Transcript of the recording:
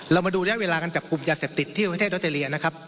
เรามาดูระยะเวลาการจับกลุ่มยาเสพติดที่ประเทศออสเตรเลียนะครับ